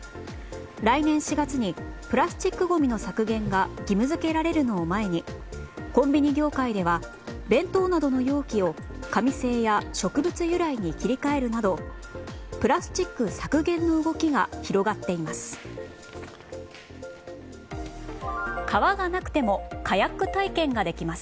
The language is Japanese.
来年４月にプラスチックごみの削減が義務付けられるのを前にコンビニ業界では弁当などの容器を紙製や植物由来に切り替えるなどプラスチック削減の動きが広がっています。